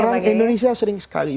orang indonesia sering sekali